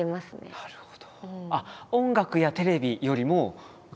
なるほど。